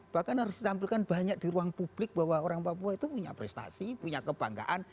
bahkan harus ditampilkan banyak di ruang publik bahwa orang papua itu punya prestasi punya kebanggaan